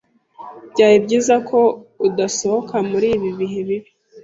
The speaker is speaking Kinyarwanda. Byari byiza ko udasohoka muri ibi bihe bibi.